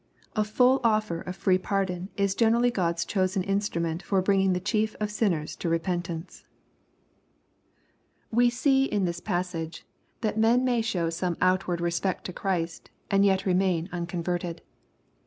— A full offer of free pardon is generally God's choseq kisti ument for bringing the chief of sinners to repentance LUEB^ CHAP. vn. 23£ We see in ills passage that men may show some outward respect to Christ, and yet remain unconverted.